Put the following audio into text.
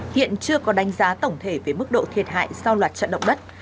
hiện chưa có đánh giá tổng thể về mức độ thiệt hại sau loạt trận động đất